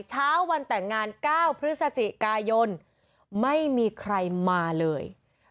เช้าวันแต่งงาน๙พฤศจิกายนไม่มีใครมาเลย